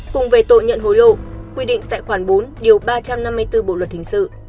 cùng về tội nhận hối lộ quy định tại khoản bốn điều ba trăm năm mươi bốn bộ luật hình sự